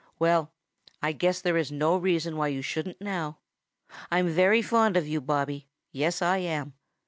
Well, I guess there is no reason why you shouldn't now. I'm very fond of you, Bobby. Yes, I am.